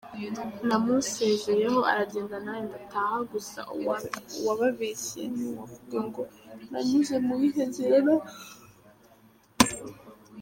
Namusezeyeho aragenda nanjye ndataha, gusa uwababeshya nuwavuga ngo nanyuze muyihe nzira ntaha.